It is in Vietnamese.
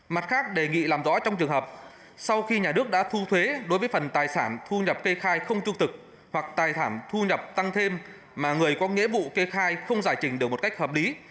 mặt khác đề nghị làm rõ trong trường hợp sau khi nhà nước đã thu thuế đối với phần tài sản thu nhập kê khai không trung tực hoặc tài sản thu nhập tăng thêm mà người có nghĩa vụ kê khai không giải trình được một cách hợp lý